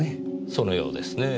そのようですねぇ。